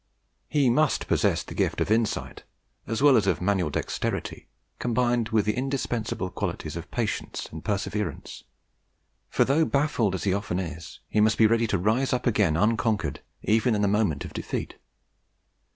He must possess the gift of insight, as well as of manual dexterity, combined with the indispensable qualities of patience and perseverance, for though baffled, as he often is, he must be ready to rise up again unconquered even in the moment of defeat.